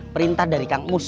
perintah dari kang mus